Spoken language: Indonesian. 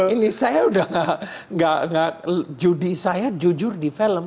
ini saya udah judi saya jujur di film